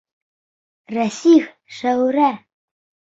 Рәсих, Шәүрә!